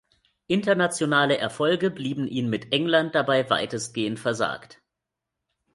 Internationale Erfolge blieben ihm mit England dabei weitestgehend versagt.